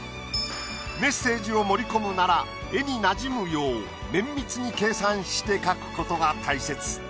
メッセージを盛り込むなら絵になじむよう綿密に計算して書くことが大切。